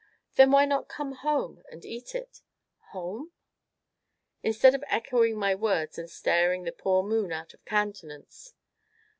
"Then why not come home and eat it?" "Home?" "Instead of echoing my words and staring the poor moon out of countenance?